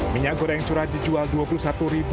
minyak goreng curah dijual rp dua puluh satu